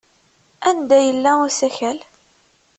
Anda yella usakal?